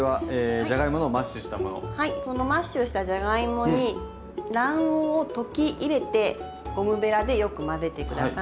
そのマッシュしたじゃがいもに卵黄を溶き入れてゴムべらでよく混ぜて下さい。